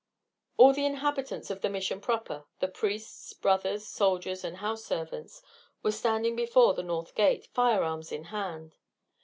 All the inhabitants of the Mission proper the priests, brothers, soldiers, and house servants were standing before the north gate, firearms in hand.